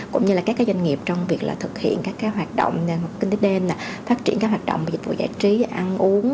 cũng như là các doanh nghiệp trong việc thực hiện các hoạt động kinh tế đêm phát triển các hoạt động dịch vụ giải trí ăn uống